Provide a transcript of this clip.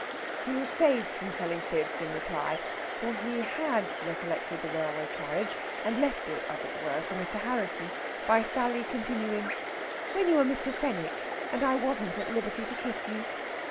He was saved from telling fibs in reply for he had recollected the railway carriage, and left it, as it were, for Mr. Harrisson by Sally continuing: "When you were Mr. Fenwick, and I wasn't at liberty to kiss you."